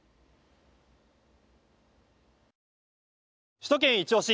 「首都圏いちオシ！」